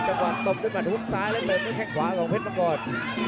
จัดหวากตบด้วยบัตรหุ้นซ้ายและเติมด้วยแข่งขวาของเพชรประกอบ